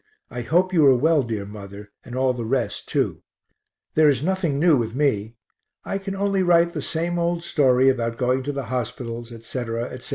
I hope you are well, dear mother, and all the rest too. There is nothing new with me. I can only write the same old story about going to the hospitals, etc., etc.